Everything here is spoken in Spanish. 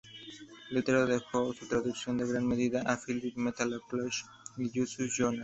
Lutero dejó su traducción en gran medida a Philipp Melanchthon y Justus Jonas.